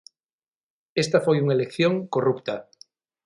Esta foi unha elección corrupta.